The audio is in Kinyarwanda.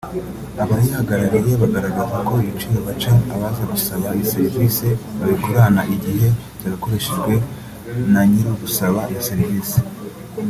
abayihagarariye bagaragaza ko ibiciro baca abaza gusaba iyi serivise babigurana igihe cyagakoreshejwe na nyir’ugusaba iyo serivise